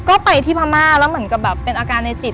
ก็ไปที่พม่าแล้วเหมือนกับแบบเป็นอาการในจิต